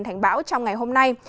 dự báo trong ngày hôm nay